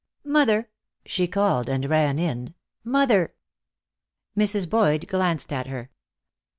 "Mother," she called, and ran in. "Mother." Mrs. Boyd glanced at her.